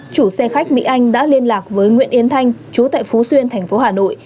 chủ xe khách mỹ anh đã liên lạc với nguyễn yến thanh chú tại phú xuyên tp hà nội